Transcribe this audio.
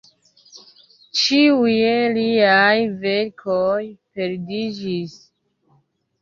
Ĉiuj liaj verkoj perdiĝis.